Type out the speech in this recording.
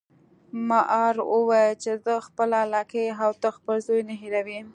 مار وویل چې زه خپله لکۍ او ته خپل زوی نه هیروي.